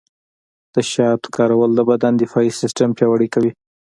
د شاتو کارول د بدن دفاعي سیستم پیاوړی کوي.